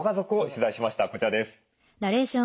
こちらです。